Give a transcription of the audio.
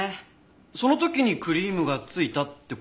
その時にクリームが付いたって事は。